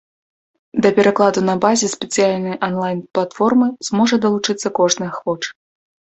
Да перакладу на базе спецыяльнай анлайн-платформы зможа далучыцца кожны ахвочы.